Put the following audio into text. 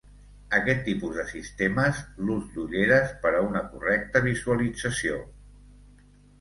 Aquests tipus de sistemes l’ús d’ulleres per a una correcta visualització.